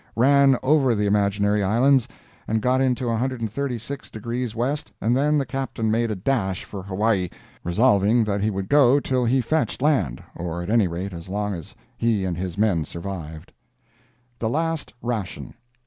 Ran over the imaginary islands and got into 136 degrees west, and then the Captain made a dash for Hawaii, resolving that he would go till he fetched land, or at any rate as long as he and his men survived. THE LAST RATION!